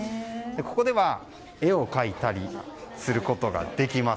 ここでは絵を描いたりすることができます。